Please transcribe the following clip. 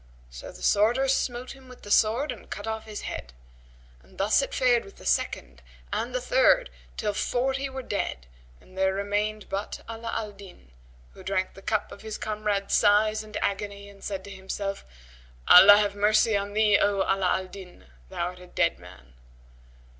So the sworder smote him with the sword and cut off his head: and thus it fared with the second and the third, till forty were dead and there remained but Ala al Din, who drank the cup of his comrades' sighs and agony and said to himself, "Allah have mercy on thee, O Ala al Din Thou art a dead man."